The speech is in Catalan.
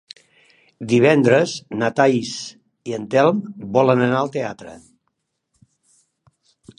Divendres na Thaís i en Telm volen anar al teatre.